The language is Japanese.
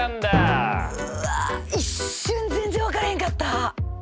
うわ一瞬全然分からへんかった。